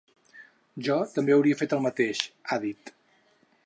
Jo també hauria fet el mateix, ha dit.